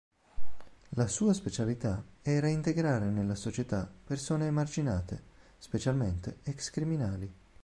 La sua specialità è reintegrare nella società persone emarginate, specialmente ex criminali.